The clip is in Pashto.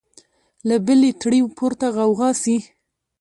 له بلي تړي پورته غوغا سي